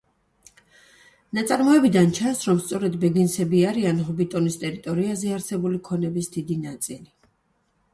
ნაწარმოებიდან ჩანს, რომ სწორედ ბეგინსების არის ჰობიტონის ტერიტორიაზე არსებული ქონების დიდი ნაწილი.